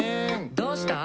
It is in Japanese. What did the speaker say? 「どうした？」